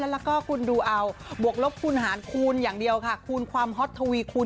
แล้วก็คูณดูเอาบวกลบคูณหารคูณคูณความฮอตมีวีคูณ